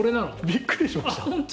びっくりしました。